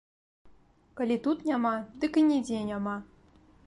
Калі тут няма, дык і нідзе няма.